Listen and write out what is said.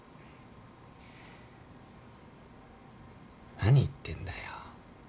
何言ってんだよ。